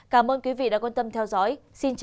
cảm ơn quý vị đã quan tâm theo dõi xin chào và gặp lại